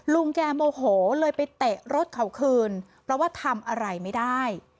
ลุงแกโมโหเลยไปเตะรถเขาคืนเพราะว่าทำอะไรไม่ได้